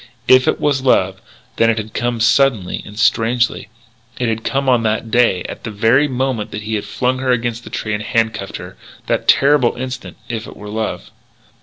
If it was love, then it had come suddenly, and strangely. It had come on that day at the very moment when he flung her against the tree and handcuffed her that terrible instant if it were love.